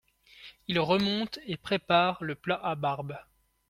Il remonte et prépare le plat à barbe.